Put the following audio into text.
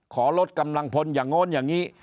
ขอลดกำลังพลอย่างโน้นอย่างนี้